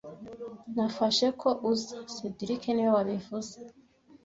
Nafashe ko uza cedric niwe wabivuze